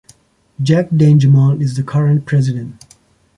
Jack Dangermond is the current president.